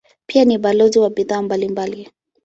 Pia ni balozi wa bidhaa mbalimbali.